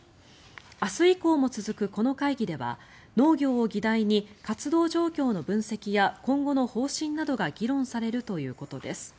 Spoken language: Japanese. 明日以降も続くこの会議では農業を議題に活動状況の分析や今後の方針などが議論されるということです。